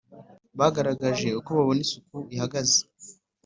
bagaragaje uko babona isuku ihagaze